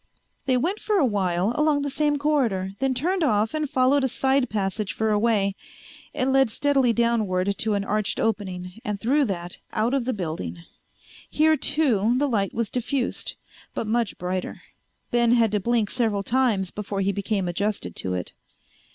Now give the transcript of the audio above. They went for a while along the same corridor, then turned off and followed a side passage for a way. It led steadily downward to an arched opening and through that out of the building. Here too the light was diffused, but much brighter. Ben had to blink several times before he became adjusted to it.